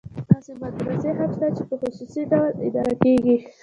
داسې مدرسې هم شته چې په خصوصي ډول اداره کېږي.